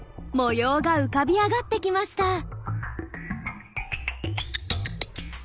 模様が浮かび上がってきました。